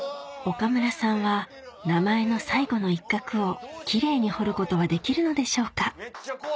岡村さんは名前の最後の一画をキレイに彫ることはできるのでしょうか？